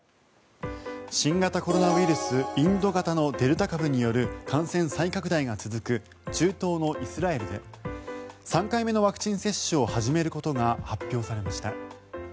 新型コロナウイルスインド型のデルタ株による感染再拡大が続く中東のイスラエルで３回目のワクチン接種を始めることが発表されました。